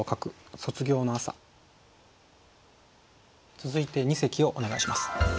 続いて二席をお願いします。